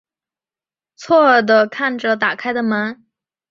错愕的看着打开的门